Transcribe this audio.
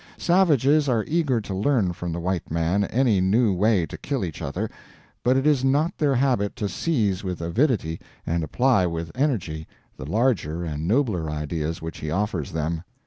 Savages are eager to learn from the white man any new way to kill each other, but it is not their habit to seize with avidity and apply with energy the larger and nobler ideas which he offers them.